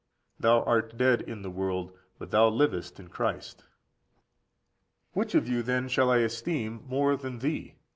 Thou art dead in the world, but thou livest in Christ. 31. Which of you, then, shall I esteem more than thee?